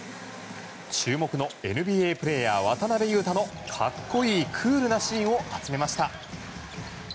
注目のＮＢＡプレーヤー渡邊雄太の格好いい、クールなシーンを集めました。